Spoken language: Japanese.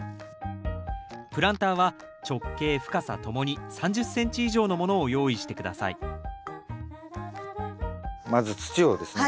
プランターは直径深さともに３０ｃｍ以上のものを用意して下さいまず土をですね